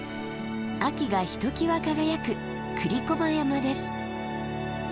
秋がひときわ輝く栗駒山です。